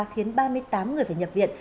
khiến ba mươi tám người phải nhập viện